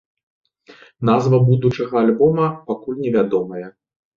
Назва будучага альбома пакуль невядомая.